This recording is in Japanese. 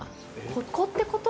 ここってこと？